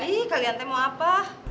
ih kalian temu apa